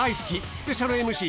スペシャルＭＣ